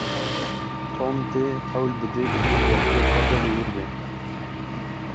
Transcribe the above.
Tom dê hewl bide ku di wextê xwe de li wir be.